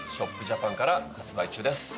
ジャパンから発売中です。